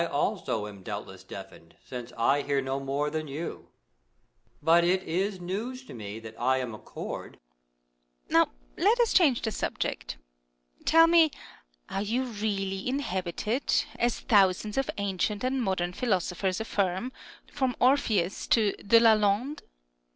Moon. I also am doubtless deafened, since I hear no more than you. But it is news to me that I am a chord. Earth. Now let us change the subject. Tell me ; are you really inhabited, as thousands of ancient and modern philosophers affirm — from Orpheus to De Lalande